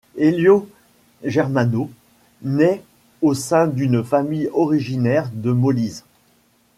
Elio Germano naît au sein d'une famille originaire de Molise.